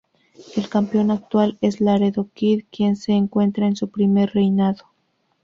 El campeón actual es Laredo Kid, quien se encuentra en su primer reinado.